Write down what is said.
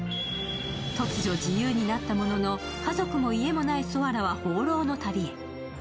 突如、自由になったものの、家族も家もないソアラは放浪の旅へ。